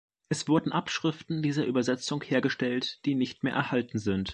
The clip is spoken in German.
Es wurden Abschriften dieser Übersetzung hergestellt, die nicht mehr erhalten sind.